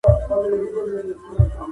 کار د اقتصادي تولید بنسټیز عنصر دی.